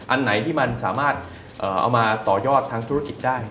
อันไหนที่มันสามารถเอามาต่อยอดทางธุรกิจได้